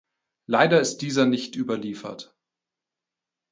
Leider ist dieser nicht überliefert.